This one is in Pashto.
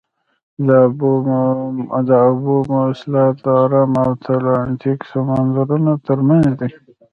د اوبو مواصلات د ارام او اتلانتیک سمندرونو ترمنځ دي.